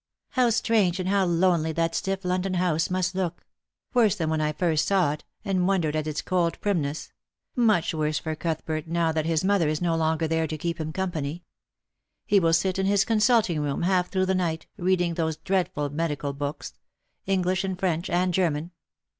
" How strange and how lonely that stiff London house must look !— worse than when I first saw it, and wondered at its cold primness — much worse for Cuthbert now that his mother is no longer there to keep him company. He will sit in his consulting room half through the night, reading those dreadful medical books — English and .French and German.